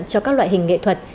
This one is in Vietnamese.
cho các loại hình nghệ thuật